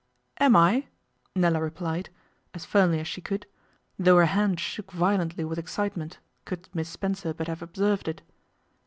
'Am I?' Nella replied, as firmly as she could, though her hand shook violently with excitement, could Miss Spencer but have observed it.